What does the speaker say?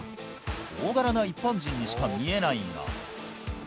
大柄な一般人にしか見えないが。